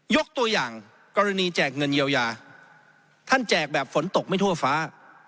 ยกตัวอย่างกรณีแจกเงินเยียวยาท่านแจกแบบฝนตกไม่ทั่วฟ้า